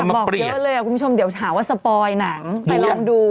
บอกเยอะเลยคุณผู้ชมเดี๋ยวหาว่าสปอยหนังไปลองดู